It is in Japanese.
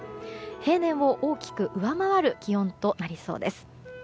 平年を大きく上回る気温となりそうです。